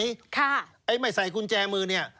ไอ้ไม่ใส่กุญแจมือเนี่ย